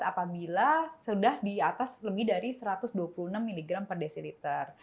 apabila sudah di atas lebih dari satu ratus dua puluh enam mg per desiliter